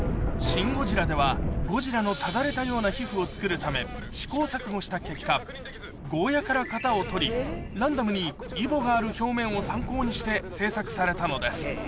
シン・ゴジラでは、ゴジラのただれたような皮膚を作るため、試行錯誤した結果、ゴーヤから型を取り、ランダムにいぼがある表面を参考にして制作されたのです。